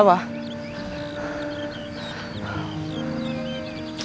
alam baru usus